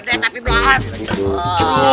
kecepetan tapi belahan